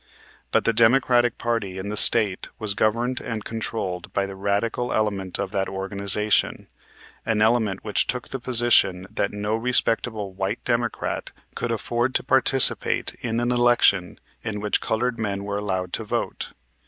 But the Democratic party in the State was governed and controlled by the radical element of that organization, an element which took the position that no respectable white Democrat could afford to participate in an election in which colored men were allowed to vote.